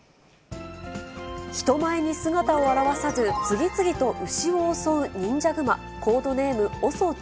人前に姿を現さず、次々と牛を襲う忍者グマ、コードネーム、ＯＳＯ１８。